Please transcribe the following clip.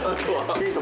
ヒント